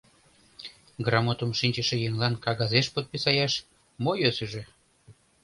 Грамотым шинчыше еҥлан кагазеш подписаяш — мо йӧсыжӧ?..